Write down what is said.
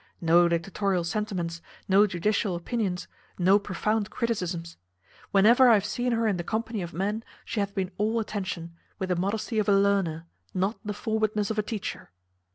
No dictatorial sentiments, no judicial opinions, no profound criticisms. Whenever I have seen her in the company of men, she hath been all attention, with the modesty of a learner, not the forwardness of a teacher.